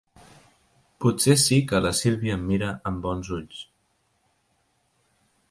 Potser sí que la Sílvia em mira amb bons ulls.